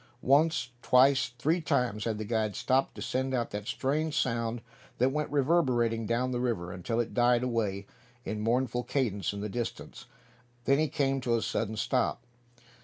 Once, twice, three times had the guide stopped to send out that strange sound that went reverberating down the river, until it died away in mournful cadence in the distance. Then he came to a sudden stop.